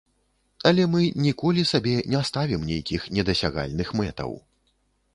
Але мы ніколі сабе не ставім нейкіх недасягальных мэтаў.